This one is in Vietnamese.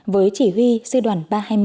với chỉ huy sư đoàn ba trăm hai mươi